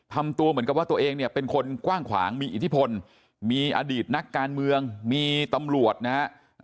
ทำตัวเหมือนกับว่าตัวเองเนี่ยเป็นคนกว้างขวางมีอิทธิพลมีอดีตนักการเมืองมีตำรวจนะฮะ